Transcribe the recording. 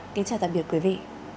kính chào tạm biệt quý vị